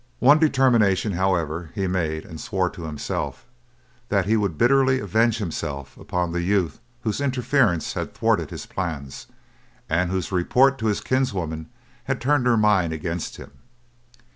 One determination, however, he made, and swore, to himself, that he would bitterly avenge himself upon the youth whose interference had thwarted his plans, and whose report to his kinswoman had turned her mind against him.